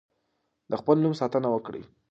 د خپل نوم ساتنه وکړئ.